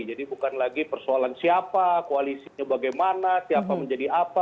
jadi bukan lagi persoalan siapa koalisinya bagaimana siapa menjadi apa